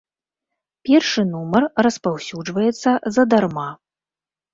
Першы нумар распаўсюджваецца задарма.